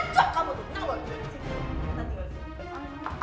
kita tinggal nikah sama mama